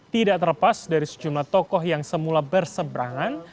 tidak terlepas dari sejumlah tokoh yang semula berseberangan